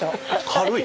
軽い。